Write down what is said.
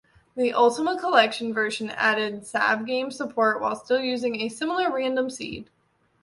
The "Ultima Collection" version added savegame support while still using a similar random seed.